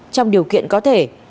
trong điều kiện có thể